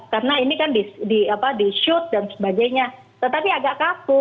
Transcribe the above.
karena ini kan di shoot dan sebagainya tetapi agak kasu